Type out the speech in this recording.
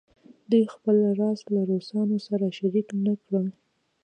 دوی خپل راز له روسانو سره شریک نه کړي.